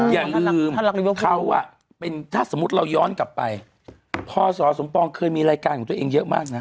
อย่าลืมเขาถ้าสมมุติเราย้อนกลับไปพศสมปองเคยมีรายการของตัวเองเยอะมากนะ